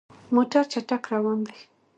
موټر چټک روان دی.